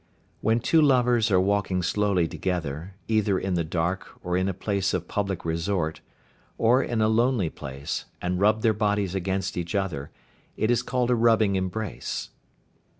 When two lovers are walking slowly together, either in the dark, or in a place of public resort, or in a lonely place, and rub their bodies against each other, it is called a "rubbing embrace."